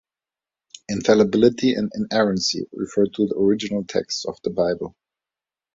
Infallibility and inerrancy refer to the original texts of the Bible.